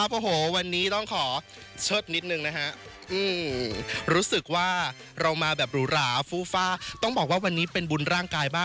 ไปชมสกุลพิเศษกันเลยค่ะ